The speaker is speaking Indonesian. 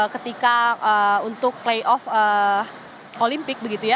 ketika untuk playoff olimpik